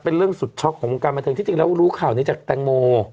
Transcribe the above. เป็นเรื่องสุดช็อกของวงการบันเทิงที่จริงแล้วรู้ข่าวนี้จากแตงโม